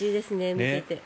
見ていて。